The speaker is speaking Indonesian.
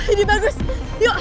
ini bagus yuk